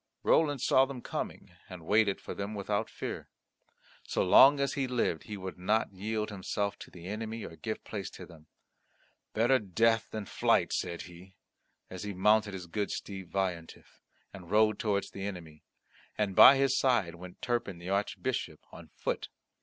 Roland saw them coming, and waited for them without fear. So long as he lived he would not yield himself to the enemy or give place to them. "Better death than flight," said he, as he mounted his good steed Veillantif, and rode towards the enemy. And by his side went Turpin the Archbishop on foot.